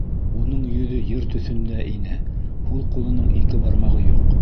Уның йөҙө ер төҫөндә ине. һул ҡулының ике бармағы юҡ.